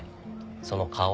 その顔。